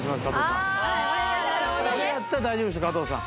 これやったら大丈夫でしょう加藤さん